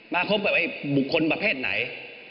มาพบกับบุคคลประเภทไหน